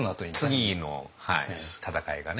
次の戦いがね。